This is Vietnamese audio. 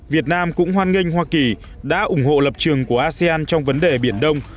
việt nam cũng hoan nghênh hoa kỳ đã ủng hộ lập trường của asean trong vấn đề biển đông